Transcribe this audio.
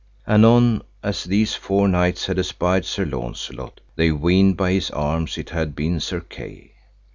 Anon as these four knights had espied Sir Launcelot, they weened by his arms it had been Sir Kay.